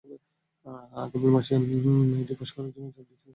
আগামী মাসের মধ্যে এটি পাস করা জন্য চাপ দিচ্ছেন তাঁর সহযোগীরা।